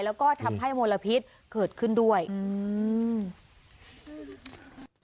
แล้วก็ทำให้มลพิษเกิดขึ้นด้วยอืม